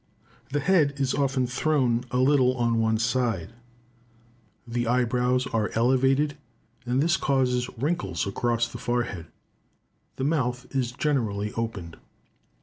The head is often thrown a little on one side; the eyebrows are elevated, and this causes wrinkles across the forehead. The mouth is generally opened.